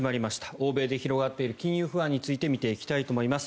欧米で広がっている金融不安について見ていきたいと思います。